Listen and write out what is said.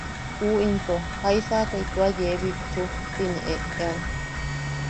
U into “¿jaisakai tua yee bitchu?” tine eʼean.